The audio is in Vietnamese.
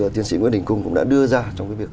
tiến sĩ nguyễn đình cung cũng đã đưa ra trong cái việc